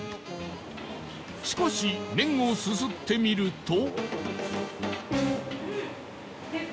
しかし麺をすすってみると